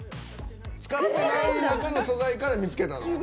使ってない中の素材から見つけたの？